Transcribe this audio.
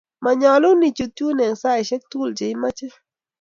manyalun i chut yu eng' saishek tugul che i mache